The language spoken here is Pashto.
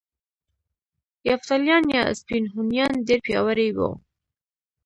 یفتلیان یا سپین هونیان ډیر پیاوړي وو